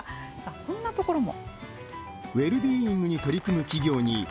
こんなところも。